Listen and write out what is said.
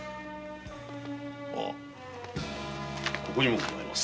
あッここにもございます。